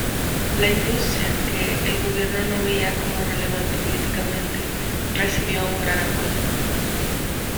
La industria, que el gobierno no veía como relevante políticamente, recibió un gran apoyo.